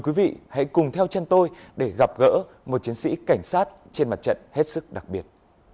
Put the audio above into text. quý vị hãy cùng theo chân tôi để gặp gỡ một chiến sĩ cảnh sát trên mặt trận hết sức đặc biệt